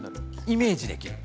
イメージできる。